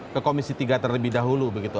ke komisi tiga terlebih dahulu begitu